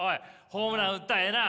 ホームラン打ったらええな。